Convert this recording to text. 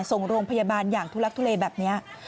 ส่งโรงพยาบาลอย่างทุลักทุเลแบบนี้